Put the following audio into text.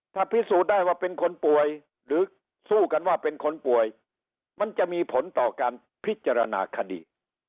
ถ้าพิสูจน์ได้ว่าเป็นคนป่วยหรือสู้กันว่าเป็นคนป่วยมันจะมีผลต่อการพิจารณาคดี